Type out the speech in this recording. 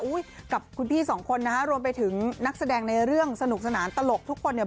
กับคุณพี่สองคนนะฮะรวมไปถึงนักแสดงในเรื่องสนุกสนานตลกทุกคนเนี่ย